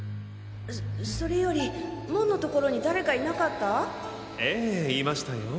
そそれより門の所に誰かいなかったええいましたよ。